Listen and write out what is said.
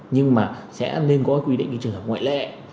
nhưng mà sẽ nên có quy định trường hợp ngoại lệ